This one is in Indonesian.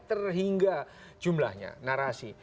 terhingga jumlahnya narasi